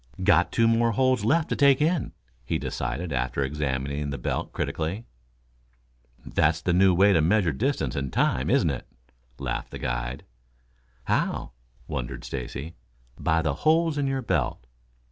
"Got two more holes left to take in," he decided after examining the belt critically. "That's a new way to measure distance and time, isn't it!" laughed the guide. "How?" wondered Stacy. "By the holes in your belt."